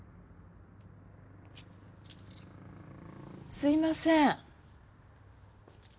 すいません。